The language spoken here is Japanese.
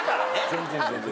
全然全然。